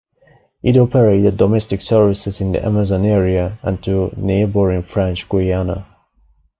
It operated domestic services in the Amazon area and to neighbouring French Guiana.